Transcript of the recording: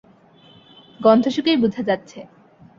গন্ধ শুঁকেই বোঝা যাচ্ছে।